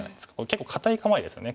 結構堅い構えですね